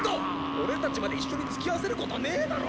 俺たちまで一緒につきあわせることねえだろ！